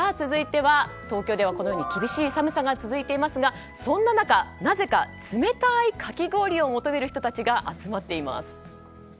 続いては、東京ではこのように厳しい寒さが続いていますがそんな中、なぜか冷たいかき氷を求める人たちが集まっています。